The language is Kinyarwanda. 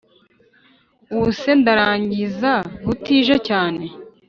Ubuse ndarangiza butije cyane